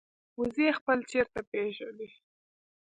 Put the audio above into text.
وزې خپل چرته پېژني